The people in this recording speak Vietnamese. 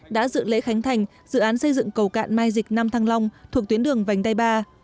đã dự lễ khánh thành dự án xây dựng cầu cạn mai dịch nam thăng long thuộc tuyến đường vành đai ba